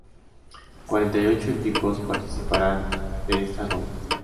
Cuarenta y ocho equipos participarán de esta ronda.